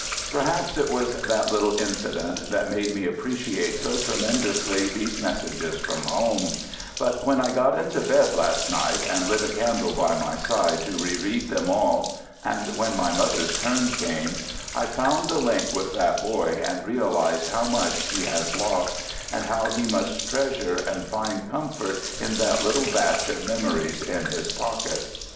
FIELD SERVICE 101 Perhaps it was that little incident that made me appreciate so tremendously these messages from home, but when I got into bed last night and lit a candle by my side to re read them all, — and when my mo ther's turn came, — I found the link with that boy and realized how much he has lost and how he must treasure and find comfort in that little batch of memories in his pocket.